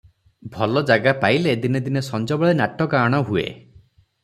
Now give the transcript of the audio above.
ଭଲ ଜାଗା ପାଇଲେ ଦିନେ ଦିନେ ସଞବେଳେ ନାଟ ଗାଆଣ ହୁଏ ।